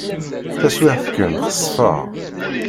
Taswiɛt kan, xesfeɣ.